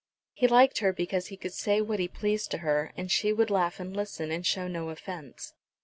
He liked her because he could say what he pleased to her, and she would laugh and listen, and show no offence.